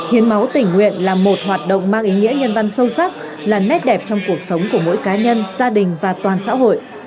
hiến máu tỉnh nguyện là một hoạt động mang ý nghĩa nhân văn sâu sắc là nét đẹp trong cuộc sống của mỗi cá nhân gia đình và toàn xã hội